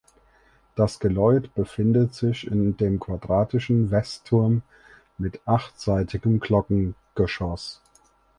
Das Geläut befindet sich in dem quadratischen Westturm mit achtseitigem Glockengeschoss.